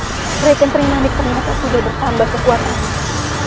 ya allah nisqali rai kenterinanik ternyata sudah bertambah kekuatannya